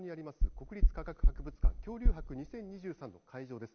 国立科学博物館、恐竜博２０２３の会場です。